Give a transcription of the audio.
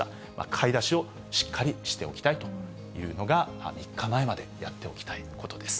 買い出しをしっかりしておきたいというのが、３日前までにやっておきたいことです。